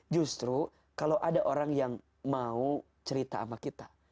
justru kalau ada orang yang mau cerita sama kita